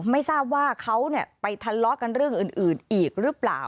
ไม่ทราบว่าเขาเนี้ยไปทะเลาะกันเรื่องอื่นอื่นอีกรึเปล่า